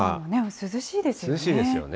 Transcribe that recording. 涼しいですよね。